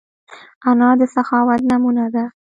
انا د سخاوت نمونه ده